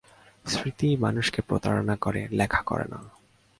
স্মৃতি মানুষকে প্রতারণা করে, লেখা করে না।